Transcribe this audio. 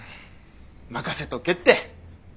任せとけって。